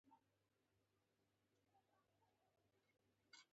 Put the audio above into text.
د چاپلوسانو افراطي تبليغات هغه حد ته رسېدلي دي.